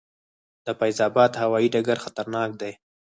د فیض اباد هوايي ډګر خطرناک دی؟